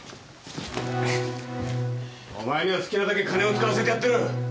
お前には好きなだけ金を使わせてやってる！